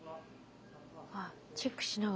あっチェックしながら。